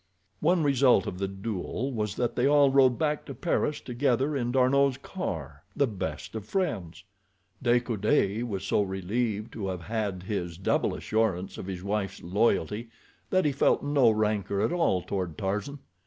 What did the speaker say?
One result of the duel was that they all rode back to Paris together in D'Arnot's car, the best of friends. De Coude was so relieved to have had this double assurance of his wife's loyalty that he felt no rancor at all toward Tarzan.